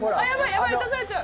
やばい出されちゃう。